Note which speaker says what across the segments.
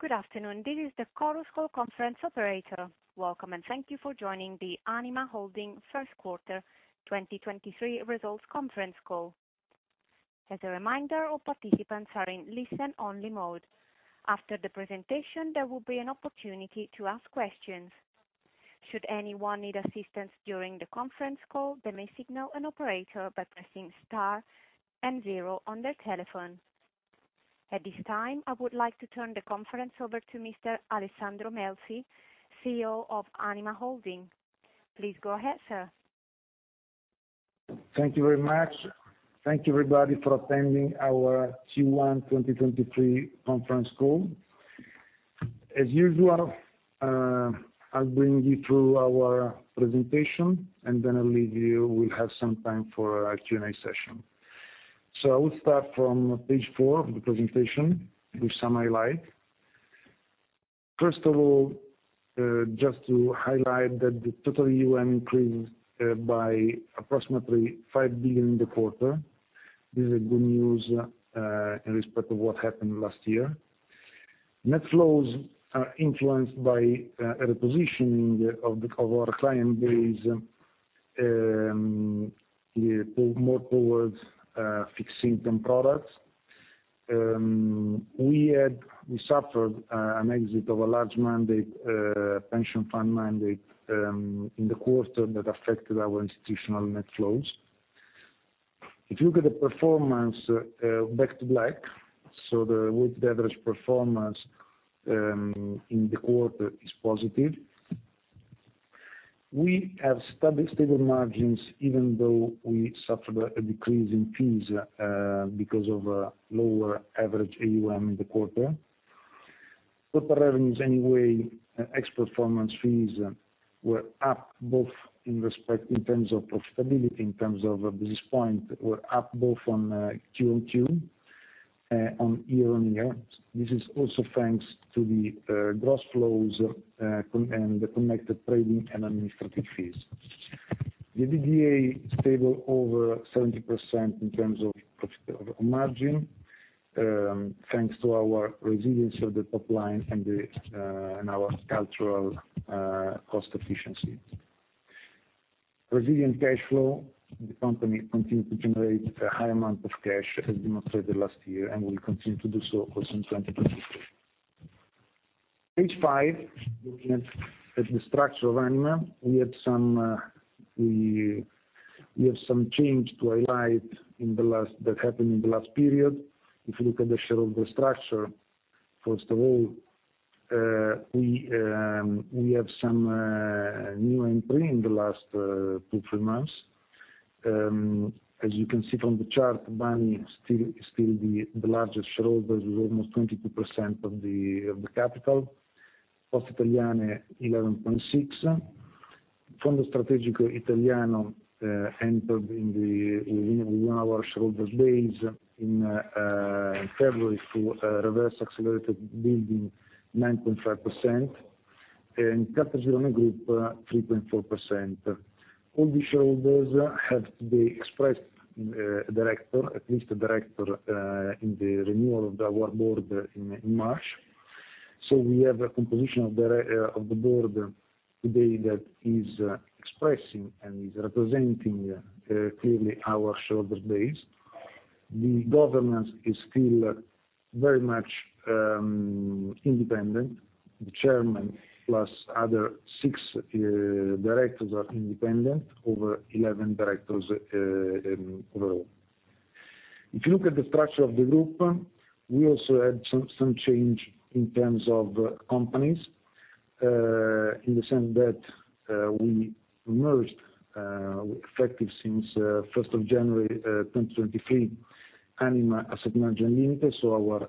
Speaker 1: Good afternoon. This is the Chorus Call Conference operator. Welcome, and thank you for joining the Anima Holding Q1 2023 Results Conference Call. As a reminder, all participants are in listen only mode. After the presentation, there will be an opportunity to ask questions. Should anyone need assistance during the conference call, they may signal an operator by pressing star and zero on their telephone. At this time, I would like to turn the conference over to Mr. Alessandro Melzi, CEO of Anima Holding. Please go ahead, sir.
Speaker 2: Thank you very much. Thank you, everybody, for attending our Q1 2023 Conference Call. As usual, I'll bring you through our presentation, and then I'll leave you. We'll have some time for our Q&A session. I will start from page four of the presentation with some highlight. First of all, just to highlight that the total AuM increased by approximately 5 billion in the quarter. This is a good news in respect of what happened last year. Net flows are influenced by a repositioning of our client base, more towards fixed system products. We suffered an exit of a large mandate, pension fund mandate, in the quarter that affected our institutional net flows. If you look at the performance, back to black, so the weighted average performance in the quarter is positive. We have steady, stable margins, even though we suffered a decrease in fees because of lower average AuM in the quarter. Total revenues, anyway, ex-performance fees were up both in respect, in terms of profitability, in terms of business point, were up both on QoQ on year-on-year. This is also thanks to the gross flows and the connected trading and administrative fees. The EBITDA stable over 70% in terms of margin, thanks to our resilience of the top line and our structural cost efficiency. Resilient cash flow. The company continued to generate a high amount of cash, as demonstrated last year, and will continue to do so also in 2023. Page five, looking at the structure of Anima, we had some, we have some change to highlight in the last, that happened in the last period. If you look at the shareholder structure, first of all, we have some new entry in the last two, three months. As you can see from the chart, BAMI is still the largest shareholder with almost 22% of the capital. Poste Italiane, 11.6%. Fondo Strategico Italiano entered in the, in our shareholder base in February through a reverse accelerated bookbuild, 9.5%. Cartesio, 3.4%. All the shareholders have today expressed director, at least a director in the renewal of our board in March. We have a composition of the board today that is expressing and is representing clearly our shareholder base. The government is still very much independent. The chairman plus other six directors are independent over 11 directors in total. If you look at the structure of the group, we also had some change in terms of companies, in the sense that we merged, effective since 1st of January 2023, Anima Asset Management Limited, so our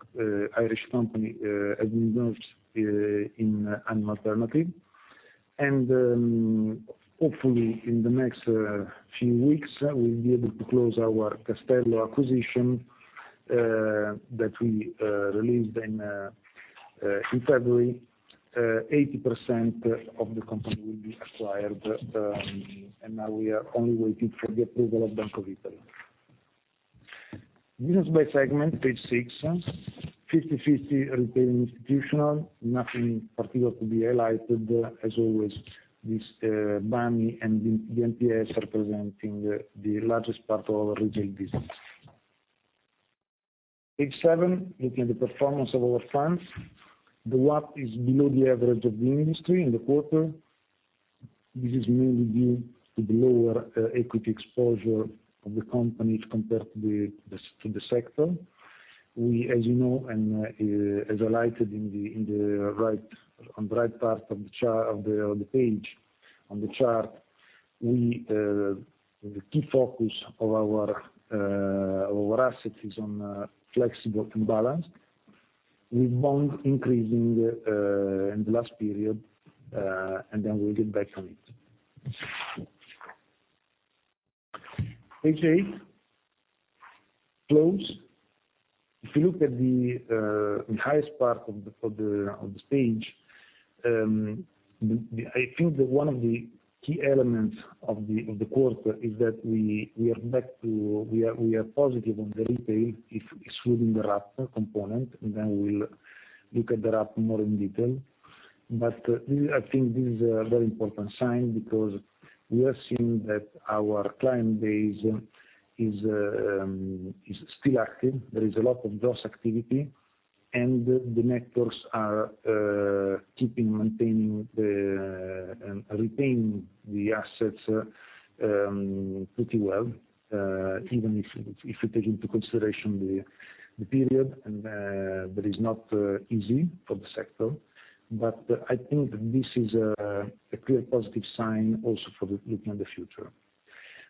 Speaker 2: Irish company, has been merged in Anima Alternative. Hopefully in the next few weeks, we'll be able to close our Castello acquisition that we released in February. 80% of the company will be acquired, and now we are only waiting for the approval of Bank of Italy. Business by segment, page six. 50/50 retail institutional. Nothing particular to be highlighted. As always, this BAMI and the NPS representing the largest part of our retail business. Page seven, looking at the performance of our funds. The WAPT is below the average of the industry in the quarter. This is mainly due to the lower equity exposure of the company compared to the sector. We, as you know, and, as highlighted in the right, on right part of the page, on the chart, we, the key focus of our assets is on flexible and balanced, with bond increasing in the last period, and then we'll get back on it. Page eight, flows. If you look at the highest part of the, of this page. I think that one of the key elements of the quarter is that we are back to. We are positive on the retail, if excluding the WRAP component, and then we'll look at the WRAP more in detail. I think this is a very important sign because we are seeing that our client base is still active. There is a lot of DoS activity, and the networks are keeping, maintaining the retaining the assets pretty well, even if you take into consideration the period that is not easy for the sector. I think this is a clear positive sign also for the looking in the future.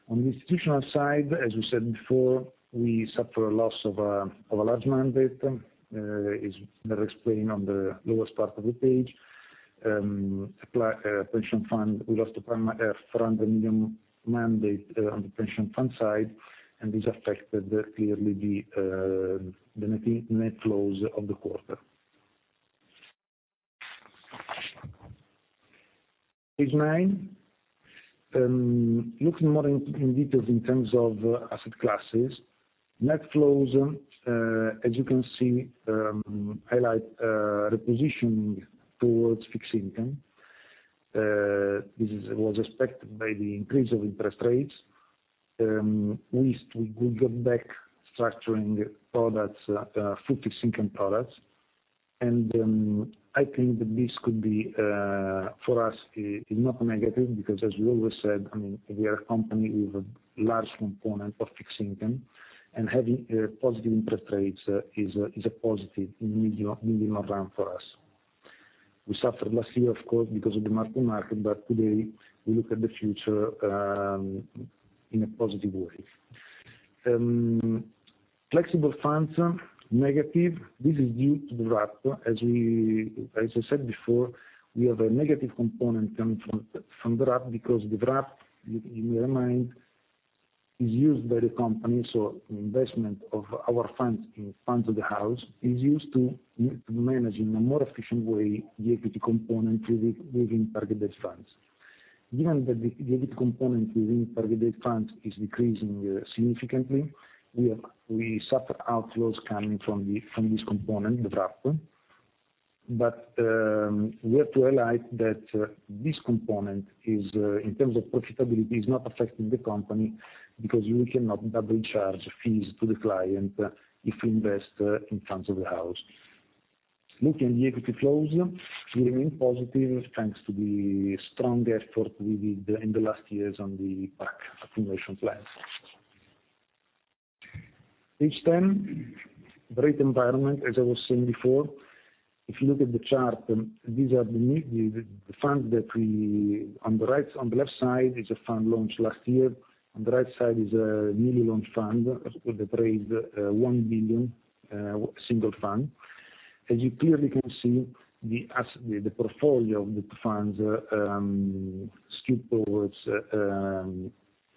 Speaker 2: On the institutional side, as we said before, we suffer a loss of a large mandate. That is explained on the lowest part of the page. Apply Pension Fund, we lost a EUR 400 million mandate on the pension fund side. This affected clearly the net flows of the quarter. Page nine. Looking more in details in terms of asset classes. Net flows, as you can see, highlight repositioning towards fixed income. This was expected by the increase of interest rates. We got back structuring products, full fixed income products. I think that this could be for us is not a negative, because as we always said, I mean, we are a company with a large component of fixed income, and having positive interest rates is a positive in medium term for us. We suffered last year, of course, because of the mark-to-market, today we look at the future in a positive way. Flexible funds, negative. This is due to the WRAP. As I said before, we have a negative component coming from the WRAP because the WRAP, you may remind, is used by the company. Investment of our funds in funds of the house is used to manage in a more efficient way the equity component within targeted funds. Given that the equity component within targeted funds is decreasing significantly, we suffer outflows coming from this component, the WRAP. We have to highlight that this component is in terms of profitability, is not affecting the company because we cannot double charge fees to the client if we invest in funds of the house. Looking the equity flows, we remain positive thanks to the strong effort we did in the last years on the PAC accumulation plans. Page 10. Rate environment, as I was saying before, if you look at the chart, these are the new funds that we... On the left side is a fund launched last year. On the right side is a newly launched fund that raised 1 billion single fund. As you clearly can see, the portfolio of the funds skew towards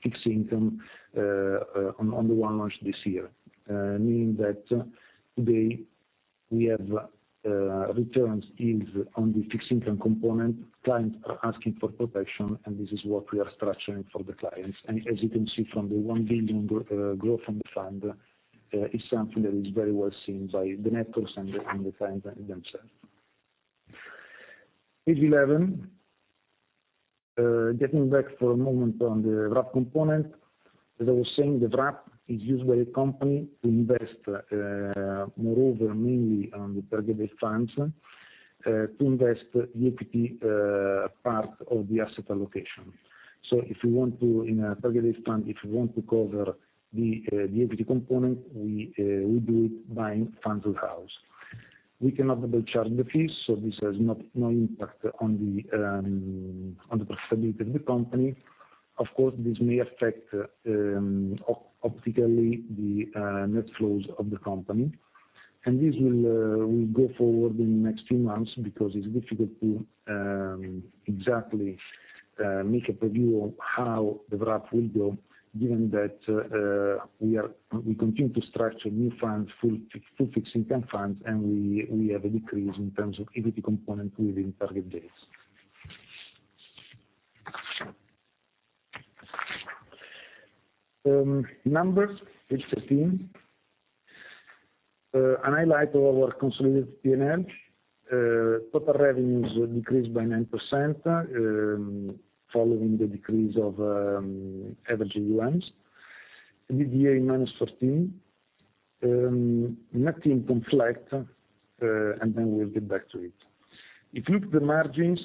Speaker 2: fixed income on the one launched this year. Meaning that today we have returns is on the fixed income component. Clients are asking for protection, this is what we are structuring for the clients. As you can see from the 1 billion growth on the fund, is something that is very well seen by the networks and the clients themselves. Page 11. Getting back for a moment on the WRAP component. As I was saying, the WRAP is used by the company to invest, moreover, mainly on the targeted funds, to invest the equity part of the asset allocation. If you want to, in a target date fund, if you want to cover the equity component, we do it buying funds of the house. We cannot double charge the fees, this has no impact on the profitability of the company. Of course, this may affect optically the net flows of the company. This will go forward in the next few months because it's difficult to exactly make a preview on how the WRAP will go given that we are, we continue to structure new funds, full fixed income funds, and we have a decrease in terms of equity component within target dates. Numbers, page 13. An highlight of our consolidated P&L. Total revenues decreased by 9%, following the decrease of average AuMs. The Direct Assets -14. Net income flat. Then we'll get back to it. You look the margins,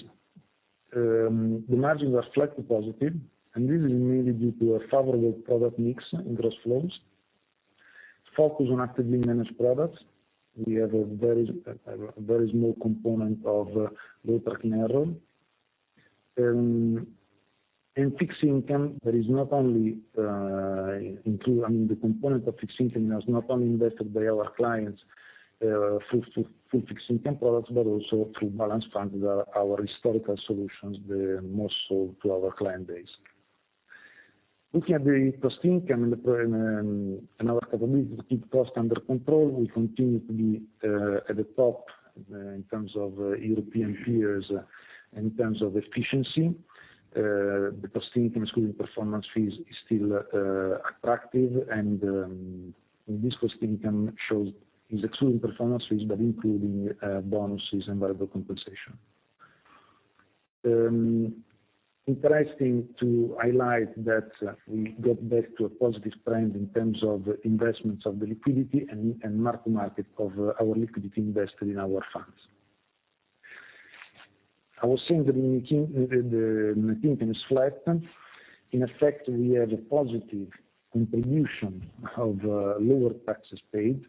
Speaker 2: the margins are slightly positive. This is mainly due to a favorable product mix in gross flows. Focus on actively managed products. We have a very, very small component of low tracking error. In fixed income, there is not only, I mean, the component of fixed income has not only invested by our clients through full fixed income products, but also through balance funds are our historical solutions, the most sold to our client base. Looking at the cost income and the program, and our ability to keep cost under control, we continue to be at the top in terms of European peers in terms of efficiency. The cost income excluding performance fees is still attractive, and this cost income shows, is excluding performance fees but including bonuses and variable compensation. Interesting to highlight that we got back to a positive trend in terms of investments of the liquidity and mark-to-market of our liquidity invested in our funds. I was saying that the net income is flat. In effect, we have a positive contribution of lower taxes paid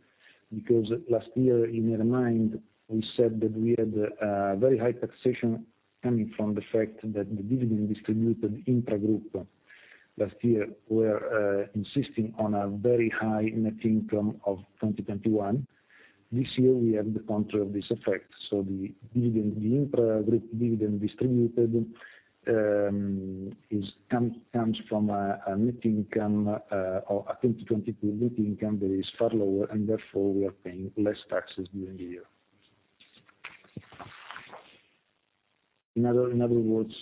Speaker 2: because last year, you may remind, we said that we had very high taxation coming from the fact that the dividend distributed intragroup last year were insisting on a very high net income of 2021. This year we have the counter of this effect, so the dividend, the intragroup dividend distributed, comes from a net income or a 2022 net income that is far lower and therefore we are paying less taxes during the year. In other words,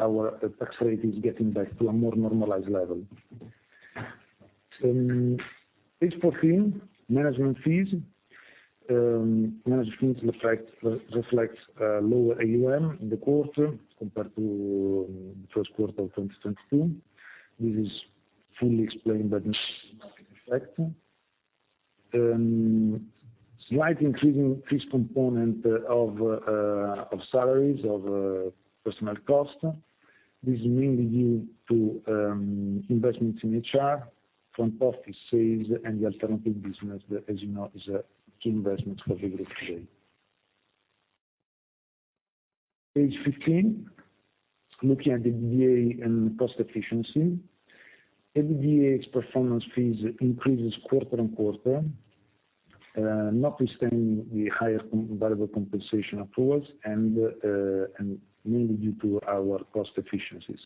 Speaker 2: our tax rate is getting back to a more normalized level. Page 14, management fees. Management fees reflect lower AuM in the quarter compared to the Q1 of 2022. This is fully explained by the effect. Slight increasing fixed component of salaries, of personal cost. This is mainly due to investments in HR, front office sales and the alternative business that, as you know, is a key investment for the group today. Page 15, looking at EBITDA and cost efficiency. EBITDA plus performance fees increases quarter-on-quarter, notwithstanding the higher variable compensation accruals and mainly due to our cost efficiencies.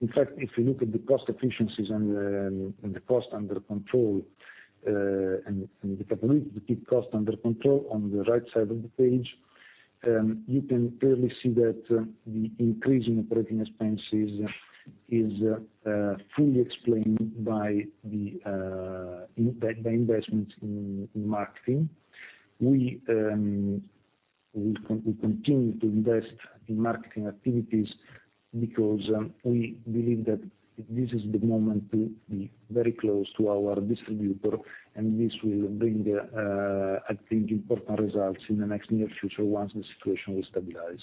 Speaker 2: In fact, if you look at the cost efficiencies and the cost under control and the ability to keep cost under control on the right side of the page, you can clearly see that the increase in operating expenses is fully explained by investments in marketing. We continue to invest in marketing activities because we believe that this is the moment to be very close to our distributor, and this will bring, I think, important results in the next near future once the situation will stabilize.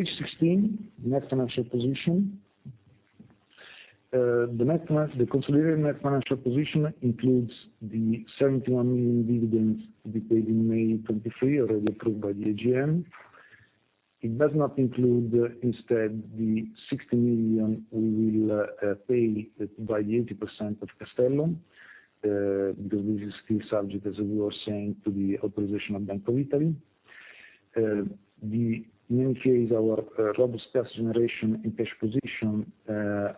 Speaker 2: Page 16, net financial position. The net finance, the consolidated net financial position includes the 71 million dividends to be paid in May 2023, already approved by the AGM. It does not include instead the 60 million we will pay by the 80% of Castello, because this is still subject, as we were saying, to the authorization of Bank of Italy. The main case, our robust cash generation and cash position,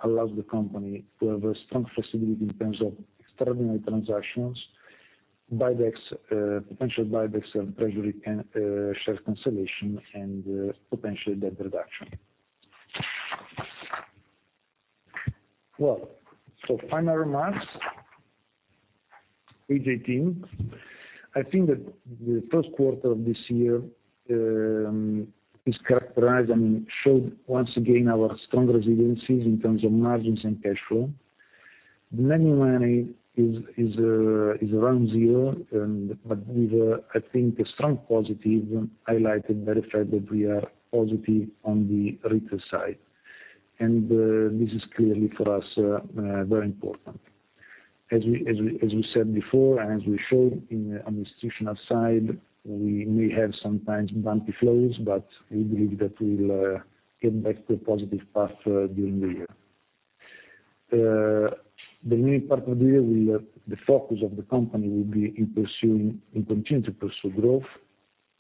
Speaker 2: allows the company to have a strong flexibility in terms of extraordinary transactions, buybacks, potential buybacks and treasury plan, share consolidation and potential debt reduction. Final remarks, page 18. I think that the Q1 of this year is characterized and showed once again our strong residencies in terms of margins and cash flow. The net new money is around 0, I think, a strong positive highlighted by the fact that we are positive on the retail side. This is clearly for us very important. As we said before, and as we showed in, on the institutional side, we may have sometimes bumpy flows, we believe that we'll get back to a positive path during the year. The main part of the year will the focus of the company will be in continuing to pursue growth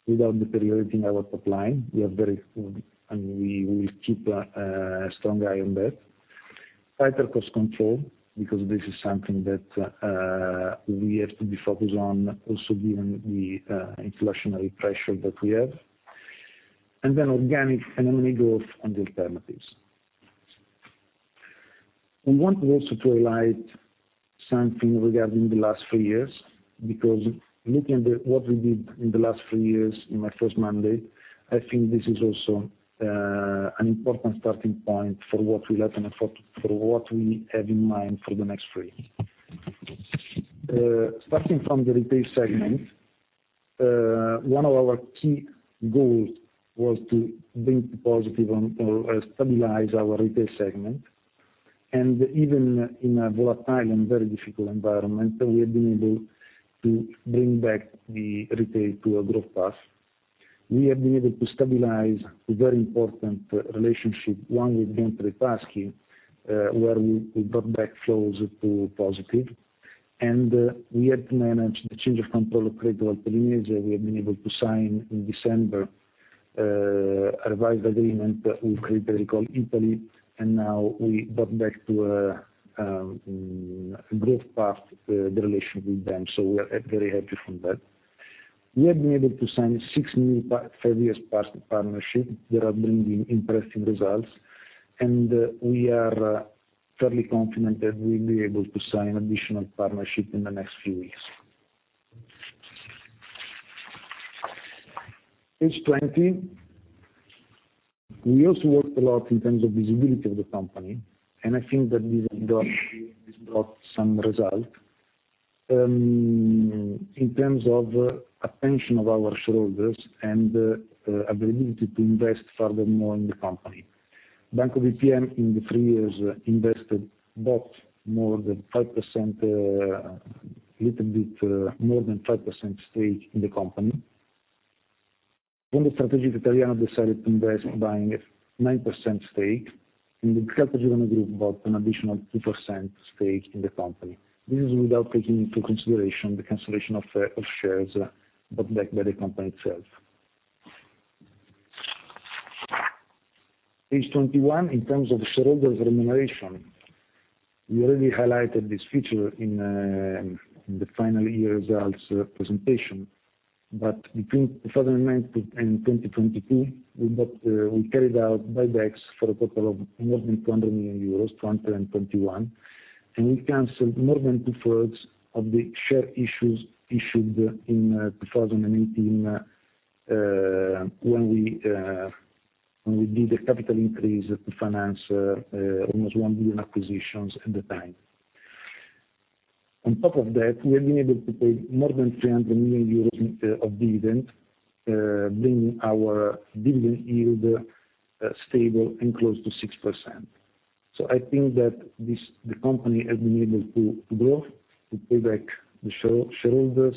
Speaker 2: without deteriorating our top line. We are very, we will keep a strong eye on that. Tighter cost control because this is something that we have to be focused on also given the inflationary pressure that we have. Organic and M&A growth on the alternatives. I want also to highlight something regarding the last three years, because looking at the, what we did in the last three years in my first mandate, I think this is also an important starting point for what we have and for what we have in mind for the next three years. Starting from the retail segment, one of our key goals was to bring positive on or stabilize our retail segment. Even in a volatile and very difficult environment, we have been able to bring back the retail to a growth path. We have been able to stabilize a very important relationship, one with Banca Reale where we brought back flows to positive. We had to manage the change of control of Crédit Agricole Italia. We have been able to sign in December a revised agreement with Crédit Agricole Italia. Now we got back to a growth path, the relationship with them. We are very happy from that. We have been able to sign six new five years part-partnership that are bringing impressive results. We are fairly confident that we'll be able to sign additional partnership in the next few weeks. Page 20. We also worked a lot in terms of visibility of the company. I think that this has brought some result in terms of attention of our shareholders and availability to invest further more in the company. Banco BPM in the 3 years invested about more than 5%, a little bit more than 5% stake in the company. Fondo Strategico Italiano decided to invest buying 9% stake. The Capital Group bought an additional 2% stake in the company. This is without taking into consideration the cancellation of shares bought back by the company itself. Page 21. In terms of shareholders remuneration, we already highlighted this feature in the final year results presentation. Between 2019 and 2022, we carried out buybacks for a total of more than 200 million euros, 2020 and 2021. We canceled more than two-thirds of the share issues issued in 2018, when we did a capital increase to finance almost 1 billion acquisitions at the time. On top of that, we have been able to pay more than 300 million euros of dividend, bringing our dividend yield stable and close to 6%. I think that the company has been able to grow, to pay back the shareholders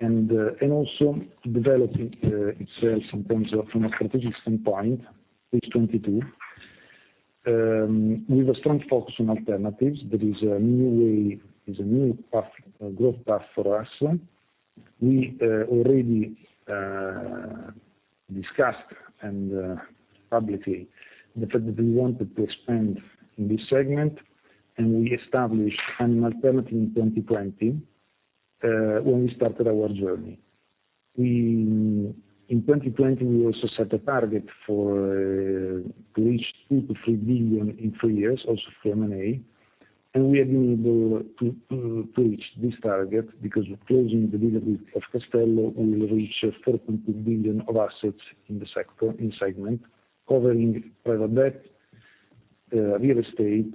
Speaker 2: and also developing itself in terms of from a strategic standpoint. Page 22. With a strong focus on alternatives, there is a new way, there's a new path, growth path for us. We already discussed and publicly the fact that we wanted to expand in this segment, and we established Anima Alternative SGR in 2020 when we started our journey. In 2020, we also set a target for to reach 2 billion-3 billion in 3 years, also through M&A. We have been able to reach this target because of closing the deal with Castello, we will reach 4.2 billion of assets in the sector, in segment, covering private debt, real estate,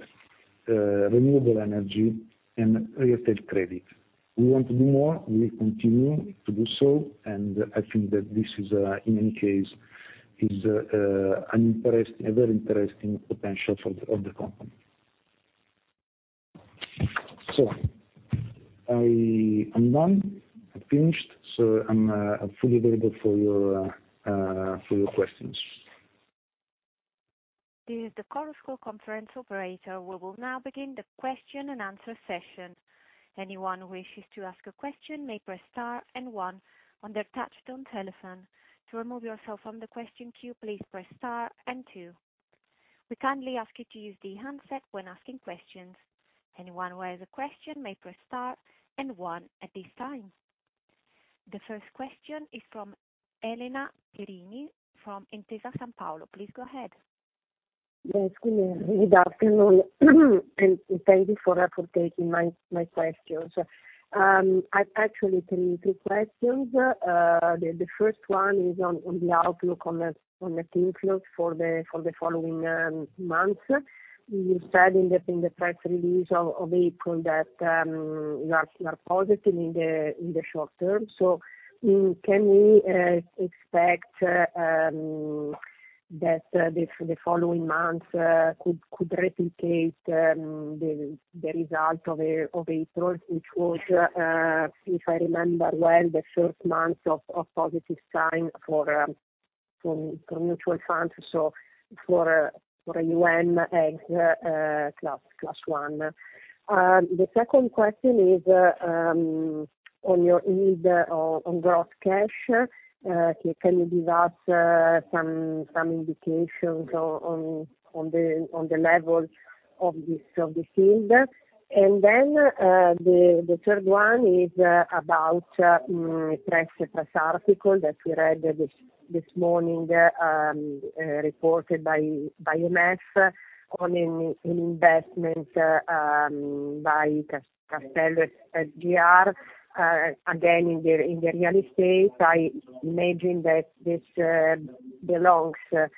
Speaker 2: renewable energy, and real estate credit. We want to do more. We continue to do so, I think that this is in any case, is a very interesting potential for the, of the company. I am done. I've finished. I'm fully available for your questions.
Speaker 1: This is the Chorus Call conference operator. We will now begin the question-and-answer session. Anyone who wishes to ask a question may press star and one on their touchtone telephone. To remove yourself from the question queue, please press star and two. We kindly ask you to use the handset when asking questions. Anyone who has a question may press star and one at this time. The first question is from Elena Perini from Intesa Sanpaolo. Please go ahead.
Speaker 3: Yes. Good afternoon, and thank you for taking my questions. I've actually three questions. The first one is on the outlook on the team flows for the following months. You said in the press release of April that you are positive in the short term. Can we expect that the following months could replicate the result of April, which was if I remember well, the first month of positive sign for from mutual funds, so for AuM, AG class one. The second question is on your need on gross cash. Can you give us some indications on the levels of this field? The third one is about a press article that we read this morning reported by MS on an investment by Castello Asset Management again in the real estate. I imagine that this belongs to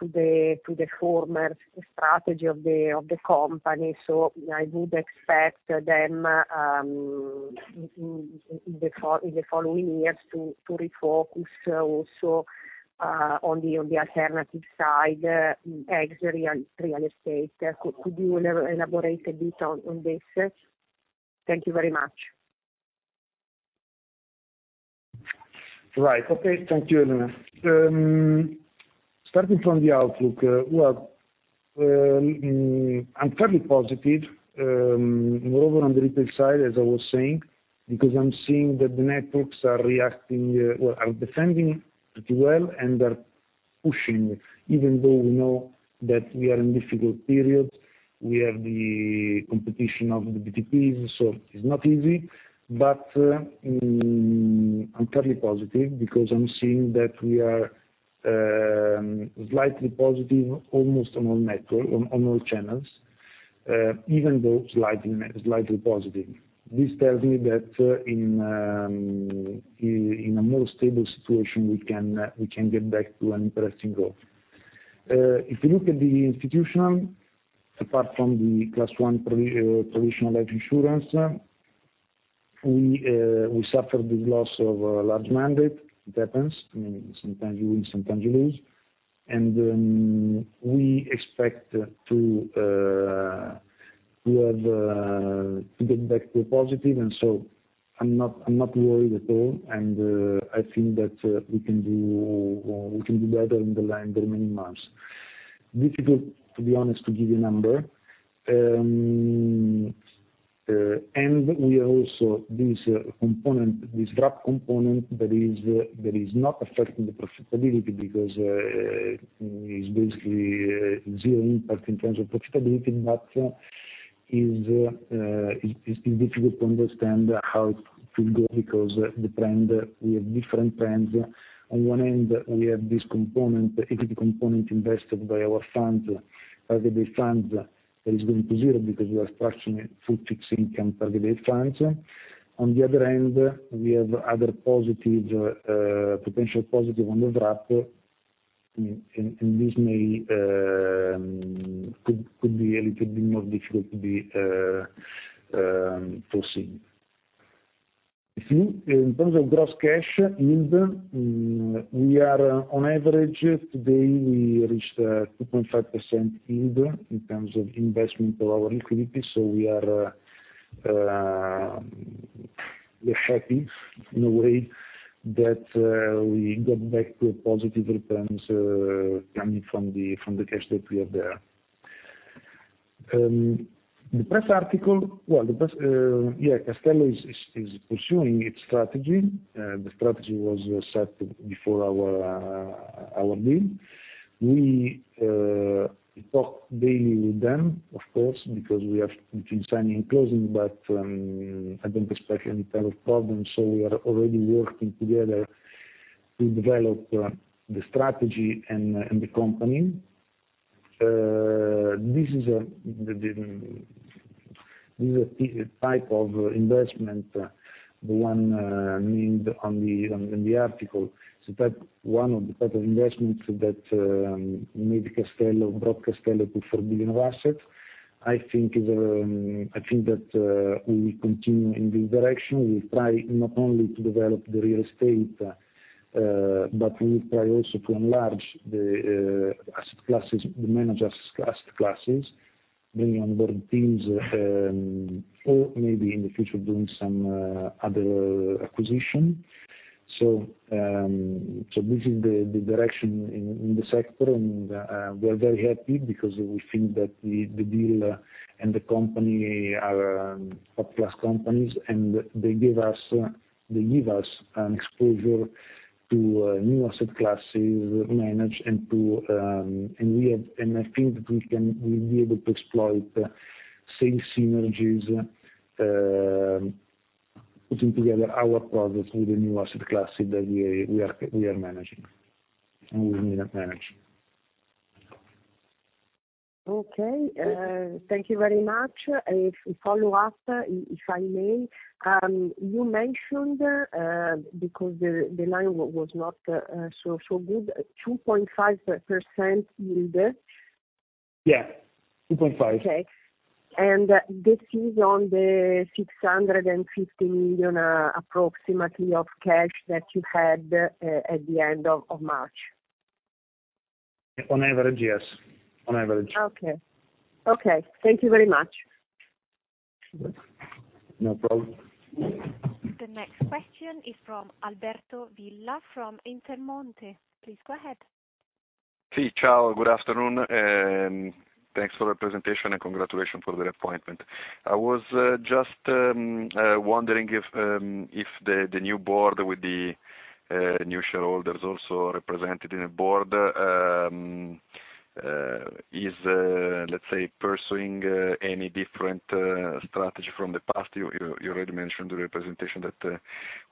Speaker 3: the former strategy of the company. I would expect them in the following years to refocus also on the alternative side ex real estate. Could you elaborate a bit on this? Thank you very much.
Speaker 2: Right. Okay. Thank you, Elena. Starting from the outlook, well, I'm fairly positive, more over on the retail side, as I was saying, because I'm seeing that the networks are reacting, well, are defending pretty well, and are pushing even though we know that we are in difficult period. We have the competition of the BTPs. It's not easy. I'm fairly positive because I'm seeing that we are slightly positive almost on all network, on all channels, even though slightly positive. This tells me that in a more stable situation, we can get back to an interesting growth. If you look at the institutional, apart from the plus one traditional life insurance, we suffered the loss of a large mandate. It happens. I mean, sometimes you win, sometimes you lose. We expect to have to get back to a positive. I'm not worried at all. I think that we can do better in the line for many months. Difficult, to be honest, to give you a number. We are also this component, this WRAP component that is not affecting the profitability because is basically zero impact in terms of profitability, but is difficult to understand how it will go because the trend, we have different trends. On one end we have this component, equity component invested by our funds, by the funds, that is going to zero because we are structuring full fixed income targeted funds. On the other end, we have other positive, potential positive on the WRAP. I mean, this may could be a little bit more difficult to be foreseen. In terms of gross cash yield, we are on average, today we reached 2.5% yield in terms of investment of our liquidity. We are happy in a way that we got back to a positive returns, coming from the cash that we have there. The press article, well, the press, Castello is pursuing its strategy. The strategy was set before our deal. We talk daily with them, of course, because we have between signing and closing. I don't expect any type of problems. We are already working together to develop the strategy and the company. This is the type of investment mentioned on the article. One of the type of investments that made Castello, brought Castello to 4 billion of assets. I think is, I think that we continue in this direction. We try not only to develop the real estate, but we try also to enlarge the asset classes, manage asset classes, bringing on board teams or maybe in the future doing some other acquisition. This is the direction in the sector. We're very happy because we think that the deal and the company are top class companies and they give us an exposure to new asset classes managed and to. I think that we'll be able to exploit the same synergies, putting together our products with the new asset classes that we are managing, we will be managing.
Speaker 3: Okay. thank you very much. A follow up, if I may. you mentioned, because the line was not, so good, 2.5% yield?
Speaker 2: Yeah. 2.5.
Speaker 3: Okay. This is on the 650 million, approximately of cash that you had, at the end of March?
Speaker 2: On average, yes. On average.
Speaker 3: Okay. Okay. Thank you very much.
Speaker 2: No problem.
Speaker 1: The next question is from Alberto Villa from Intermonte. Please go ahead.
Speaker 4: Si, ciao, good afternoon, and thanks for the presentation and congratulations for the appointment. I was just wondering if the new board with the new shareholders also represented in the board is, let's say, pursuing any different strategy from the past? You already mentioned the representation that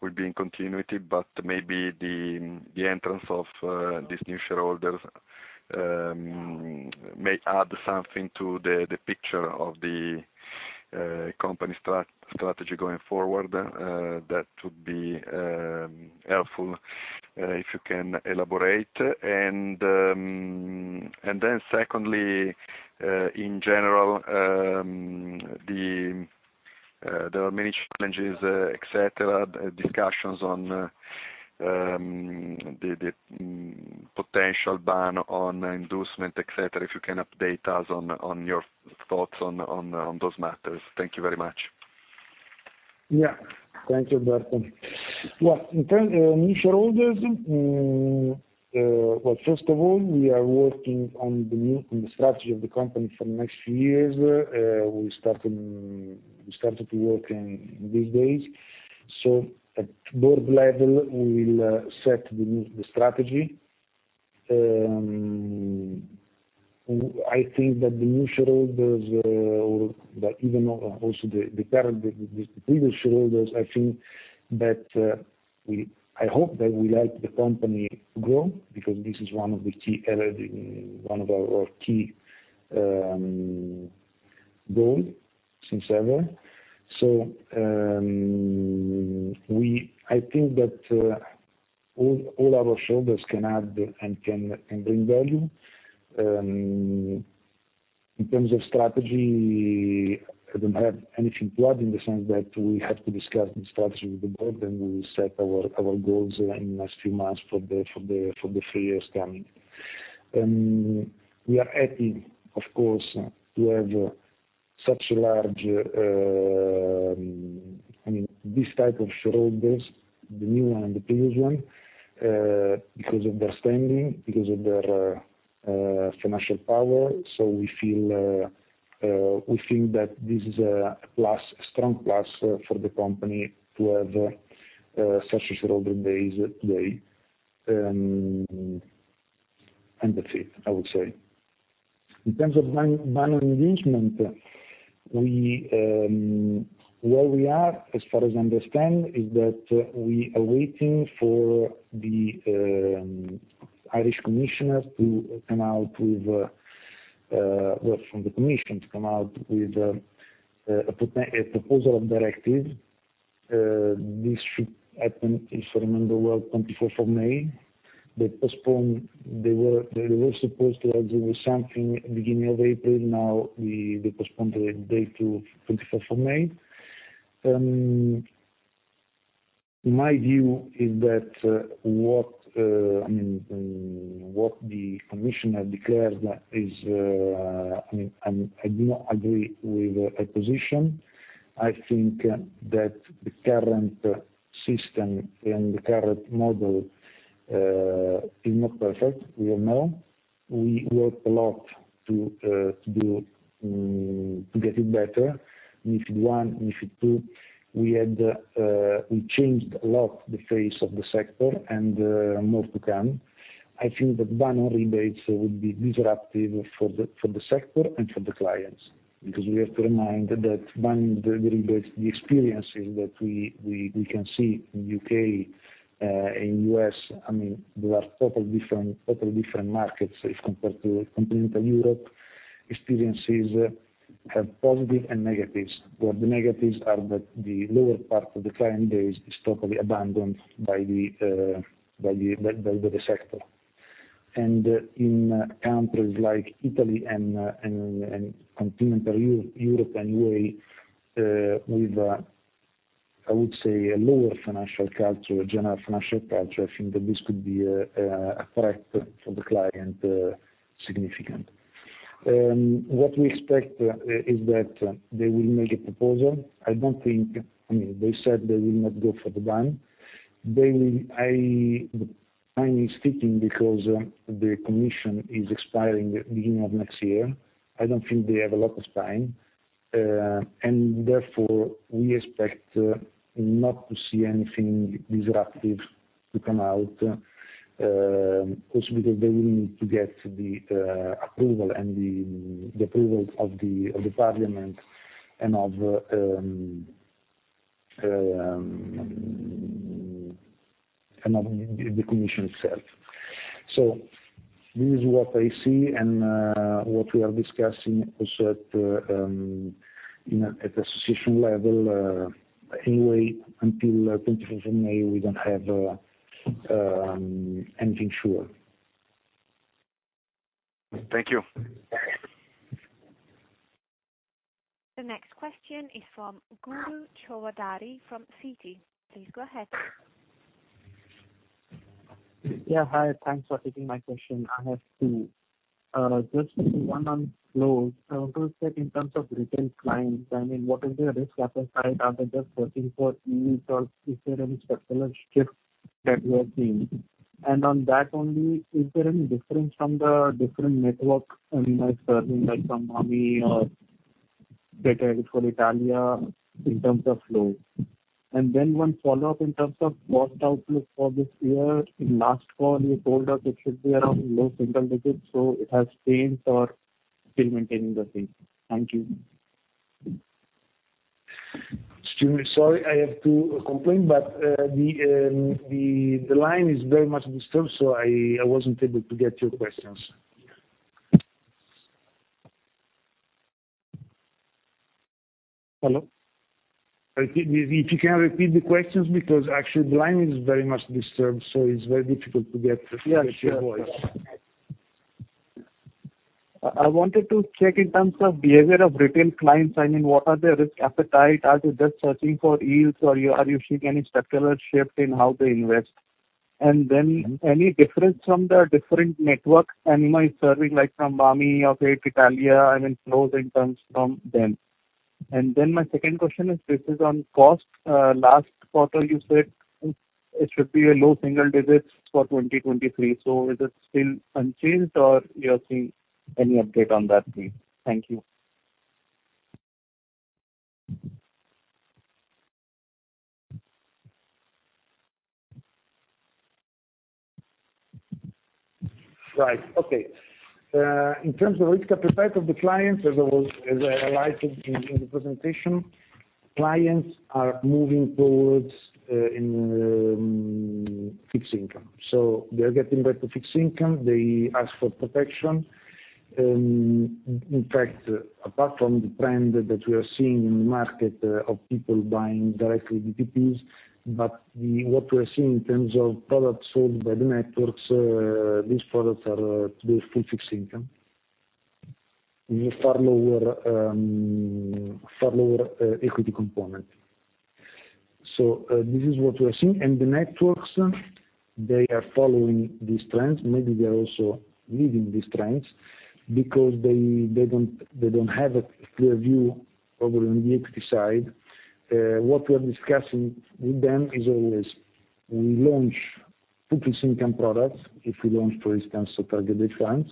Speaker 4: will be in continuity, but maybe the entrance of these new shareholders may add something to the picture of the company strategy going forward. That would be helpful if you can elaborate. Then secondly, in general, there are many challenges, et cetera, discussions on the potential ban on inducements, et cetera, if you can update us on your thoughts on those matters. Thank you very much.
Speaker 2: Yeah. Thank you, Alberto. Well, in term... new shareholders, well, first of all, we are working on the strategy of the company for next years. We started to work in these days. At board level, we will set the new, the strategy. I think that the new shareholders, or even also the current, the previous shareholders, I think that I hope that we like the company to grow because this is one of the key added, one of our key goal since ever. I think that all our shareholders can add and bring value. In terms of strategy, I don't have anything to add in the sense that we have to discuss the strategy with the board, and we set our goals in next few months for the 3 years coming. We are happy, of course, to have such large, this type of shareholders, the new one and the previous one, because of their standing, because of their financial power. We feel that this is a plus, strong plus for the company to have such shareholder base today. That's it, I would say. In terms of ban on inducements, we... Where we are, as far as I understand, is that we are waiting for the European Commission to come out with a proposal of directive. This should happen, if I remember well, 24th of May. They postponed. They were supposed to do something beginning of April. They postponed the date to 24th of May. My view is that what I mean, what the commissioner declared is I mean, I do not agree with a position. I think that the current system and the current model is not perfect, we all know. We work a lot to get it better. If it one, if it two, we had, we changed a lot the face of the sector and more to come. I think that ban on rebates would be disruptive for the sector and for the clients, because we have to remind that ban the rebates, the experiences that we can see in U.K., in U.S., I mean, there are total different, total different markets if compared to continental Europe. Experiences have positive and negatives, where the negatives are that the lower part of the client base is totally abandoned by the sector. In countries like Italy and continental Europe anyway, with I would say a lower financial culture, general financial culture, I think that this could be a threat for the client, significant. What we expect is that they will make a proposal. I don't think. I mean, they said they will not go for the ban. They will. I'm speaking because the Commission is expiring beginning of next year. I don't think they have a lot of time. Therefore, we expect not to see anything disruptive to come out, also because they will need to get the approval and the approval of the Parliament and of the Commission itself. This is what I see and what we are discussing also at association level. Anyway, until 24th of May, we don't have anything sure.
Speaker 4: Thank you.
Speaker 2: Okay.
Speaker 1: The next question is from Guru Chaudhry from Citi. Please go ahead.
Speaker 5: Yeah. Hi. Thanks for taking my question. I have two. Just one on flows. What would you say in terms of retail clients? I mean, what is their risk appetite? Are they just looking for yields, or is there any particular shift that you are seeing? On that only, is there any difference from the different networks, I mean, like from Amundi or Credit Suisse Italia in terms of net flow? One follow-up in terms of cost outlook for this year. In last call, you told us it should be around low single digits, so it has changed or still maintaining the same? Thank you.
Speaker 2: Sorry, I have to complain, but the line is very much disturbed, so I wasn't able to get your questions.
Speaker 5: Hello?
Speaker 2: If you, if you can repeat the questions because actually the line is very much disturbed, it's very difficult.
Speaker 5: Yes, sure.
Speaker 2: to get your voice.
Speaker 5: I wanted to check in terms of behavior of retail clients, I mean, what are their risk appetite? Are they just searching for yields, or are you seeing any structural shift in how they invest? Any difference from the different networks Anima is serving, like from BAMI or Crédit Agricole Italia, I mean, flows in terms from them. My second question is, this is on cost. Last quarter you said it should be a low single digits for 2023. Is it still unchanged or you are seeing any update on that please? Thank you.
Speaker 2: Right. Okay. In terms of risk appetite of the clients, as I highlighted in the presentation, clients are moving towards in fixed income. They're getting back to fixed income. They ask for protection. In fact, apart from the trend that we are seeing in the market, of people buying directly BTPs, what we are seeing in terms of products sold by the networks, these products are to do with full fixed income. With a far lower equity component. This is what we are seeing. The networks, they are following these trends. Maybe they are also leading these trends because they don't have a clear view over on the equity side. What we are discussing with them is always, we launch full fixed income products. If we launch, for instance, a target date funds.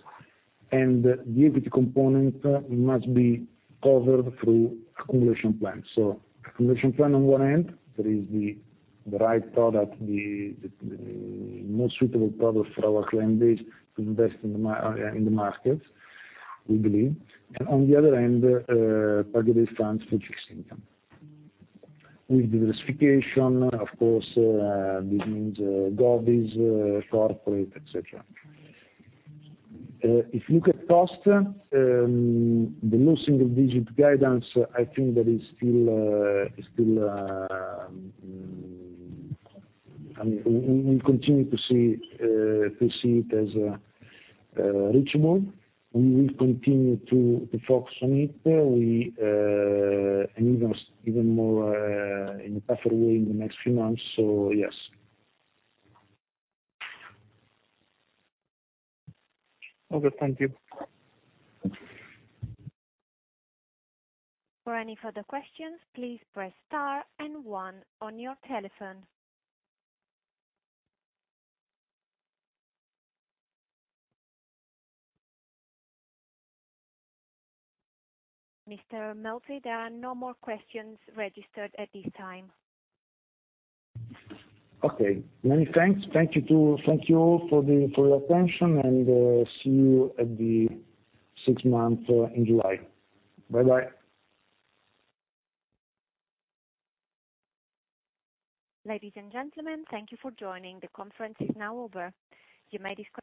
Speaker 2: The equity component must be covered through accumulation plan. Accumulation plan on one end, that is the right product, the most suitable product for our client base to invest in the markets, we believe. On the other end, target date funds for fixed income. With diversification, of course, this means govies, corporate, et cetera. If you look at cost, the low single digit guidance, I think that is still, is still... I mean, we continue to see it as reachable, and we will continue to focus on it. We, and even more in a tougher way in the next few months, yes.
Speaker 5: Okay. Thank you.
Speaker 1: For any further questions, please press star and one on your telephone. Mr. Melzi, there are no more questions registered at this time.
Speaker 2: Okay. Many thanks. Thank you all for the, for your attention, and see you at the six month in July. Bye-bye.
Speaker 1: Ladies and gentlemen, thank you for joining. The conference is now over. You may disconnect safely.